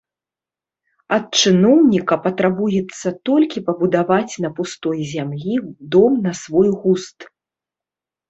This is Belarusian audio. Ад чыноўніка патрабуецца толькі пабудаваць на пустой зямлі дом на свой густ.